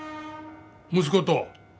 息子と？